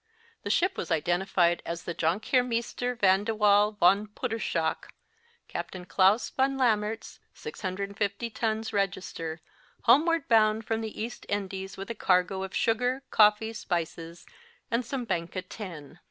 The ship was identified as the "Jonkheer Meester van de Wall van Puttershoek," Captain Klaas van Lammerts, 650 tons register, homeward bound from the East Indies, with a cargo of sugar, coffee, spices, and some Banca tin.